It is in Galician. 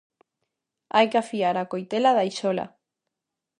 Hai que afiar a coitela da aixola.